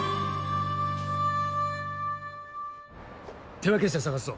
手分けして捜すぞ。